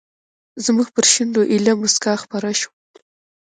زموږ پر شونډو ایله موسکا خپره شوه.